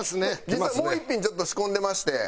実はもう１品ちょっと仕込んでまして。